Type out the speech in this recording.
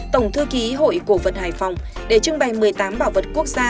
tổng thư ký hội cổ vật hải phòng để trưng bày một mươi tám bảo vật quốc gia